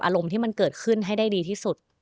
อารมณ์ที่มันเกิดขึ้นให้ได้ดีที่สุด